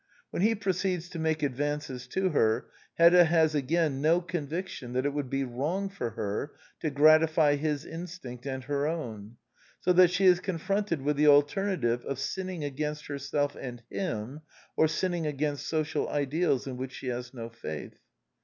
When he proceeds to make advances to her, Hedda has again no conviction that it would be wrong for her to gratify his instinct and her own; so that she is confronted with the alternative of sinning against herself and him, or sinning against social ideals in which she has no faith.